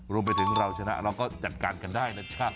รวมไปถึงเราชนะเราก็จัดการกันได้นะครับ